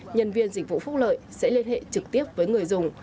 nhân viên dịch vụ phúc lợi sẽ liên hệ trực tiếp với người dùng